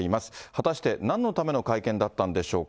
果たしてなんのための会見だったのでしょう。